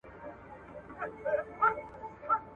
دوه او درې ځله یې دا خبره کړله !.